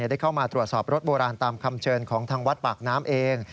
ได้เข้ามาตรวจสอบรถโบราณตามคำเชิญของทางวัดปากน้ำเอง